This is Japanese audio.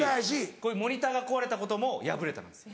こういうモニターが壊れたことも「やぶれた」なんですよ。